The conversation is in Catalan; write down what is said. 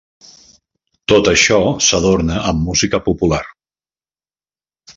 Tot això s'adorna amb música popular.